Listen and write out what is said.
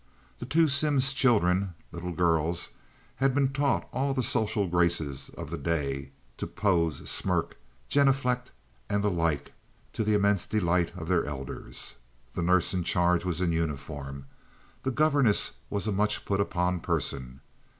The two Simms children (little girls) had been taught all the social graces of the day—to pose, smirk, genuflect, and the like, to the immense delight of their elders. The nurse in charge was in uniform, the governess was a much put upon person.